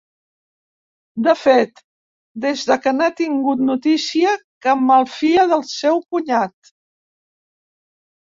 De fet, des que n'ha tingut notícia que malfia del seu cunyat.